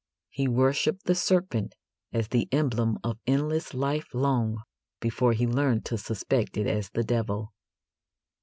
He worshipped the serpent as the emblem of endless life long before he learned to suspect it as the devil.